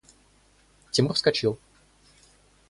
Тимур вскочил.